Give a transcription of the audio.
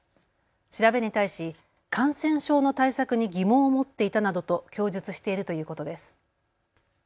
調べに対し感染症の対策に疑問を持っていたなどと供述しているということです。